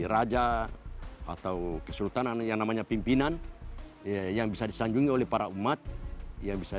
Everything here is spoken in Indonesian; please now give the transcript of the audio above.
raja atau kesultanan yang namanya pimpinan yang bisa disanjungi oleh para umat yang bisa